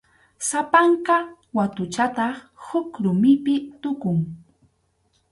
Sapanka watuchataq huk rumipi tukun.